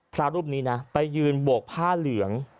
พระรูปนี้นะไปยืนโบกผ้าเหลือง